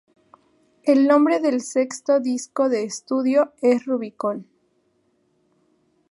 El nombre del sexto disco de estudio es "Rubicon".